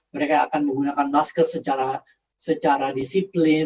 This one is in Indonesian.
mereka akan menggunakan masker secara disiplin